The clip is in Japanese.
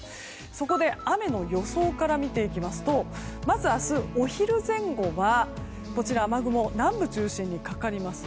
そこで、雨の予想から見ていきますとまず明日お昼前後は雨雲が南部中心にかかります。